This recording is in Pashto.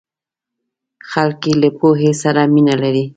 خلک یې له پوهې سره مینه لري.